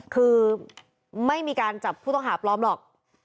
คือไม่มีการจับผู้ต้องหาปลอมหรอก